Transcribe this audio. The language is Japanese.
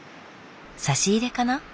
差し入れかな？